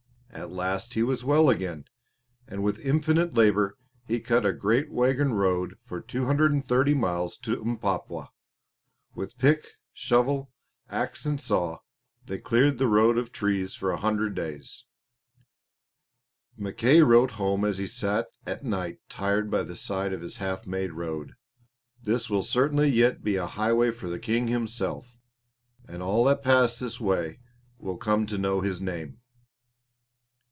At last he was well again, and with infinite labour he cut a great wagon road for 230 miles to Mpapwa. With pick and shovel, axe and saw, they cleared the road of trees for a hundred days. Mackay wrote home as he sat at night tired by the side of his half made road, "This will certainly yet be a highway for the King Himself; and all that pass this way will come to know His Name."